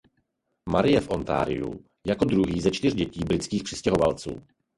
Marie v Ontariu jako druhý ze čtyř dětí britských přistěhovalců.